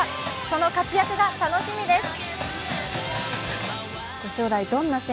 その活躍が楽しみです。